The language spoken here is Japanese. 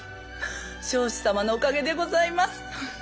彰子様のおかげでございます。